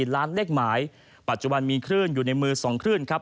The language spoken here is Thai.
ล้านเลขหมายปัจจุบันมีคลื่นอยู่ในมือ๒คลื่นครับ